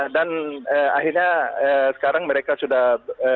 dan akhirnya sekarang mereka sudah